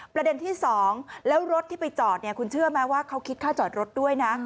ประเด็นที่๒แล้วรถที่ไปจอดเนี่ยคุณเชื่อไหมว่าเขาคิดค่าจอดรถด้วยนะ